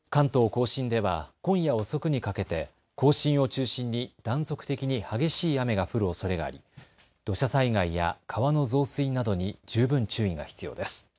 甲信では今夜遅くにかけて甲信を中心に断続的に激しい雨が降るおそれがあり土砂災害や川の増水などに十分注意が必要です。